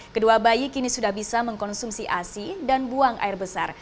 kedua bayi kini sudah bisa mengkonsumsi asi dan buang air besar